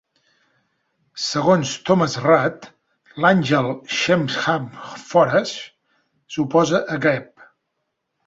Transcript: Segons Thomas Rudd, l'àngel Shemhamphorash s'oposa a Gaap.